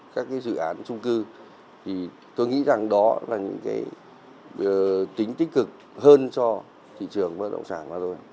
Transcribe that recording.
các dự án chung cư tôi nghĩ đó là tính tích cực hơn cho thị trường bất động sản